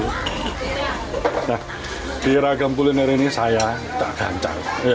nah di ragam kuliner ini saya agak ancal